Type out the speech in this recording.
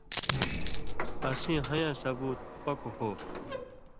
اسیں ہویں یاں ثُبوت پَکوۡ ہو۔